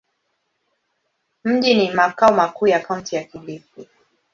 Mji ni makao makuu ya Kaunti ya Kilifi.